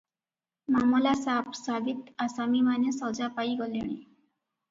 ମାମଲା ସାଫ ସାବିତ ଆସାମୀମାନେ ସଜା ପାଇ ଗଲେଣି ।